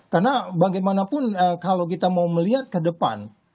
karena bagaimanapun kalau kita mau melihat ke depan